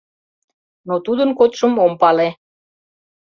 Но тудын кодшым ом пале.